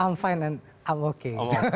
saya baik dan saya oke